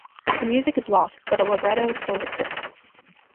The music is lost, but a libretto still exists.